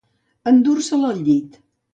Endur-se-la al llit.